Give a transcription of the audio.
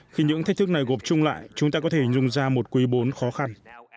khi những thách thức này gộp chung lại chúng ta có thể nhùng ra một quý bốn khó khăn